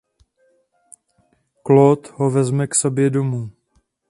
Claude ho vezme k sobě domů.